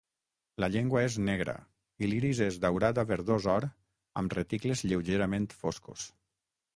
La llengua és negra, i l'iris és daurat a verdós or amb reticles lleugerament foscos.